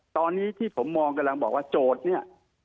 ตอนนี้ที่ผมมองกำลังบอกว่าโจทย์เนี่ย